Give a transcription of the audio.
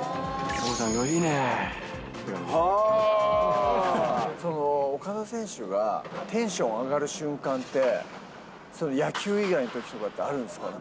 岡ちゃん、岡田選手がテンション上がる瞬間って、野球以外のときとかってあるんですかね？